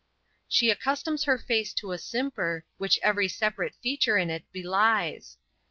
She accustoms her face to a simper, which every separate feature in it belies.